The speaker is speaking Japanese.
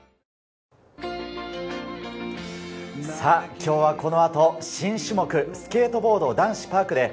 今日はこの後、新種目スケートボード男子パークです。